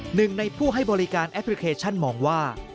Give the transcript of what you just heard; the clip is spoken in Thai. หนึ่งในผู้ให้บริการแอปพลิเคชันมองว่า